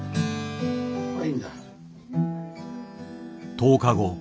１０日後。